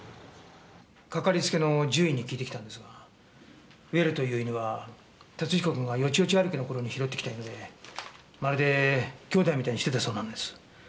かかりつけの獣医に聞いてきたんですがウェルという犬は龍彦君がよちよち歩きの頃に拾ってきた犬でまるで兄弟みたいにしてたそうなんです。